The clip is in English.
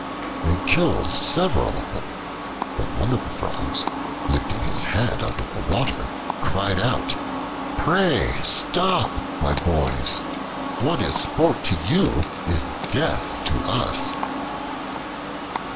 They killed several of them, when one of the Frogs, lifting his head out of the water, cried out: "Pray stop, my boys: what is sport to you, is death to us."